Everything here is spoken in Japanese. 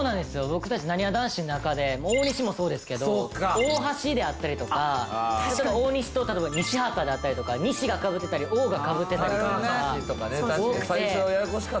僕たちなにわ男子の中で大西もそうですけど大橋であったりとか大西と例えば西畑であったりとか「西」がかぶってたり「大」がかぶってたり。